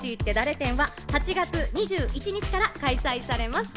展」は８月２１日から開催されます。